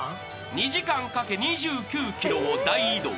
［２時間かけ２９ｋｍを大移動］